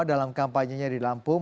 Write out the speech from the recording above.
dalam kampanye nya di lampung